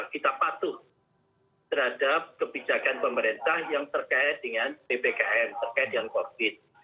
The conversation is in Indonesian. kita patuh terhadap kebijakan pemerintah yang terkait dengan ppkm terkait dengan covid